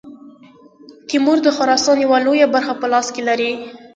تیمور د خراسان یوه لویه برخه په لاس کې لري.